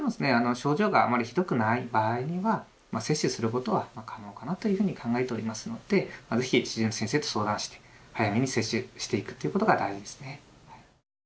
症状があまりひどくない場合には接種することは可能かなというふうに考えておりますので是非主治医の先生と相談して早めに接種していくということが大事ですね。